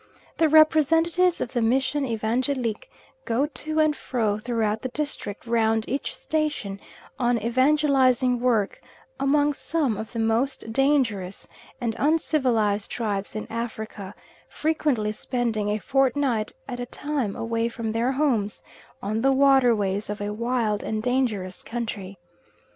The representatives of the Mission Evangelique go to and fro throughout the district round each station on evangelising work, among some of the most dangerous and uncivilised tribes in Africa, frequently spending a fortnight at a time away from their homes, on the waterways of a wild and dangerous country.